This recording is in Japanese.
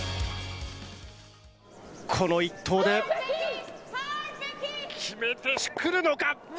この一投で決めてくるのか。